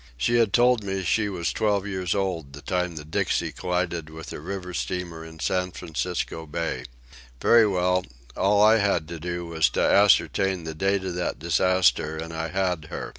She had told me she was twelve years old the time the Dixie collided with the river steamer in San Francisco Bay. Very well, all I had to do was to ascertain the date of that disaster and I had her.